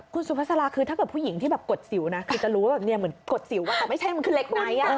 คุณสุภาษาลาคือถ้าเกิดผู้หญิงที่แบบกดสิวนะคือจะรู้ว่าเหมือนกดสิวไม่ใช่มันคือเหล็กไหม